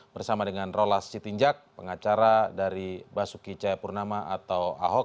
bersama dengan rolas citingjak pengacara dari basuki caya purnama atau ahok